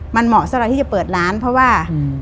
มันเหมาะสำหรับที่จะเปิดร้านเพราะว่า